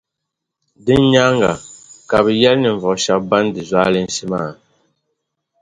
Din nyaaŋa, kabɛ yεli ninvuɣu shɛba ban di zualinsi maa.